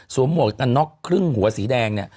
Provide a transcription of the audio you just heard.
หมวกกันน็อกครึ่งหัวสีแดงเนี่ย